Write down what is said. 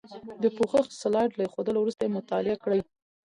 د پوښښ سلایډ له ایښودلو وروسته یې مطالعه کړئ.